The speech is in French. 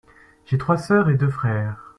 J’ai trois sœurs et deux frères.